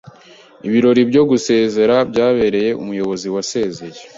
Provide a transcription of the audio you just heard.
Ibirori byo gusezera byabereye umuyobozi wasezeye.